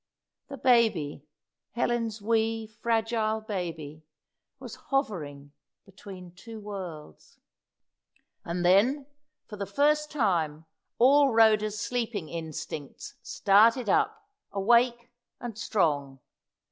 The baby Helen's wee, fragile baby was hovering between two worlds. And then, for the first time, all Rhoda's sleeping instincts started up, awake and strong.